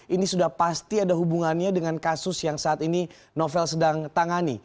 ini sudah pasti ada hubungannya dengan kasus yang saat ini novel sedang tangani